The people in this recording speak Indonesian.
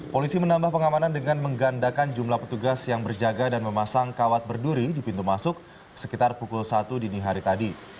polisi menambah pengamanan dengan menggandakan jumlah petugas yang berjaga dan memasang kawat berduri di pintu masuk sekitar pukul satu dini hari tadi